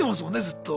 ずっと。